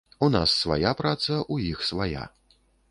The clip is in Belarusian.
У нас свая праца, у іх свая.